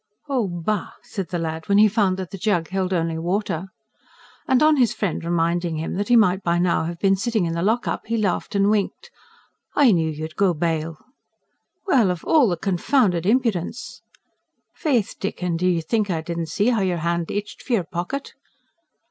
"Oh, bah!" said the lad, when he found that the jug held only water. And, on his friend reminding him that he might by now have been sitting in the lock up, he laughed and winked. "I knew you'd go bail." "Well! ... of all the confounded impudence...." "Faith, Dick, and d'ye think I didn't see how your hand itched for your pocket?"